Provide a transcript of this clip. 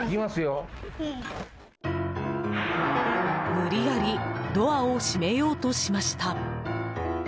無理矢理ドアを閉めようとしました。